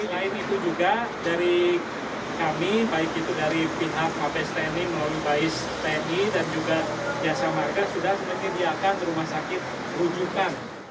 selain itu juga dari kami baik itu dari pihak mabes tni melalui bais tni dan juga jasa marga sudah menyediakan rumah sakit rujukan